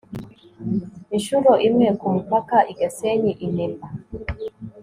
inshuro imwe ku mupaka i gasenyi i- nemba